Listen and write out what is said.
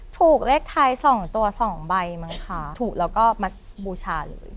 ถูกเลขท้ายสองตัวสองใบมั้งค่ะถูกแล้วก็มาบูชาเลย